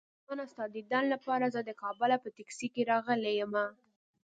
جانانه ستا ديدن لپاره زه د کابله په ټکسي راغلی يمه